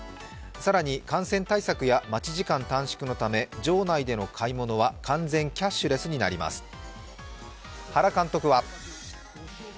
更に感染対策や待ち時間短縮のため、場内での買い物は完全キャッシュレスになります。